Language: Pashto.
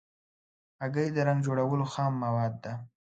هګۍ د رنګ جوړولو خام مواد ده.